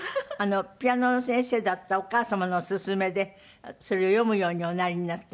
ピアノの先生だったお母様の薦めでそれを読むようにおなりになった。